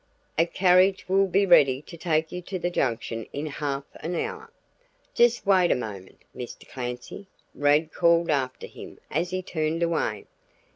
A carriage will be ready to take you to the Junction in half an hour." "Just wait a moment, Mr. Clancy," Rad called after him as he turned away.